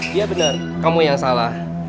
dia benar kamu yang salah